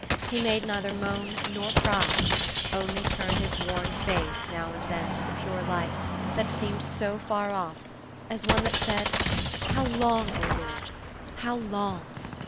He made neither moan nor cry, only turned his worn face now and then to the pure light, that seemed so far off, as one that said, "How long, O Lord? how long?"